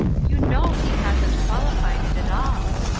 ' You know he hasn't qualified it at all.